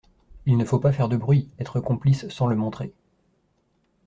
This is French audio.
Il ne faut pas faire de bruit, être complice sans le montrer.